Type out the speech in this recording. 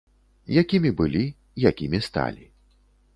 Якімі былі, якімі сталі?